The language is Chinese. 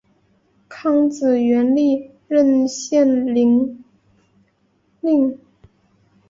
康子元历任献陵令。